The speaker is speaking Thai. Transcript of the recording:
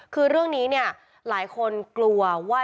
คือเรื่องนี้เนี่ยหลายคนกลัวว่า